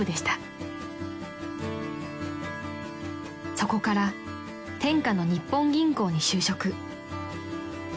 ［そこから天下の日本銀行に就職］